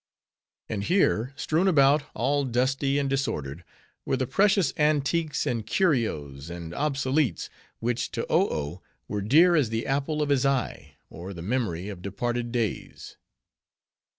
And here, strewn about, all dusty and disordered, were the precious antiques, and curios, and obsoletes, which to Oh Oh were dear as the apple of his eye, or the memory of departed days.